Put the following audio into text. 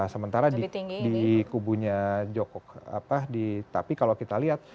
sementara di kubunya jokowi apa di tapi kalau kita lihat